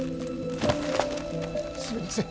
すみません